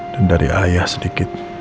dan dari ayah sedikit